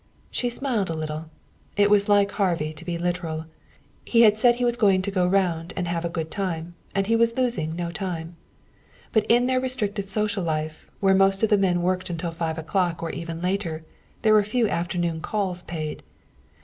She smiled a little. It was like Harvey to be literal. He had said he was going to go round and have a good time, and he was losing no time. But in their restricted social life, where most of the men worked until five o'clock or even later, there were fewer afternoon calls paid.